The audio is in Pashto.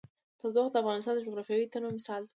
تودوخه د افغانستان د جغرافیوي تنوع مثال دی.